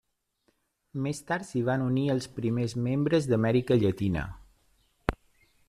Més tard s'hi van unir els primers membres d'Amèrica Llatina.